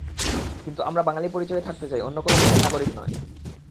কিন্তু আমরা বাঙালি পরিচয়ে থাকতে চাই, অন্য কোনো দেশের নাগরিক নয়।